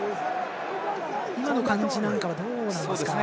今の感じなんかはどうなんですか？